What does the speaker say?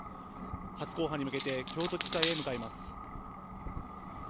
初公判に向けて京都地裁へ向かいます。